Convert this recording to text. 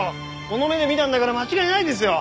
この目で見たんだから間違いないですよ。